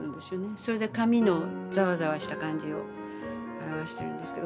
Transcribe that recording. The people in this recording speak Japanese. それで紙のざわざわした感じを表してるんですけど。